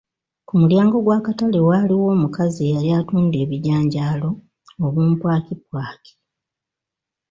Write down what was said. Ku mulyango gw'akatale waaliwo omukazi eyali atuunda abijanjaalo, obumpwankimpwaki.